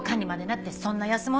って。